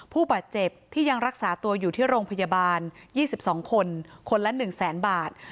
ผู้บาดเจ็บที่ยังรักษาตัวอยู่ที่โรงพยาบาล๒๒คนคนละ๑แสนบาท